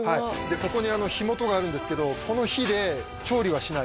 ここに火元があるんですけどこの火で調理はしない